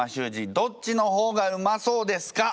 どっちの方がうまそうですか？